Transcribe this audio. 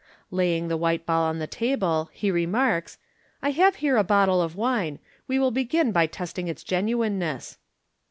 Laying the white ball on his table, he remarks, " I have here a bottle of wine. We will begin by testing its genuineness."